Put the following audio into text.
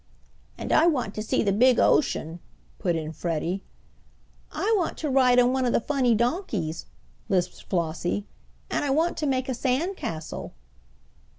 "And I want to see the big ocean," put in Freddie. "I want to ride on one of the funny donkeys," lisped Flossie. "And I want to make a sand castle."